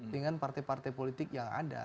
dengan partai partai politik yang ada